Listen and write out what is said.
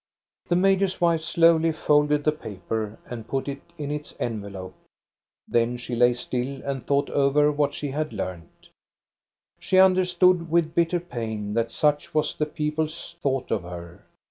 The major's wife slowly folded the paper and put it in its envelope. Then she lay still and thought over what she had learned. She understood with bitter pain that such was the people's thought of her.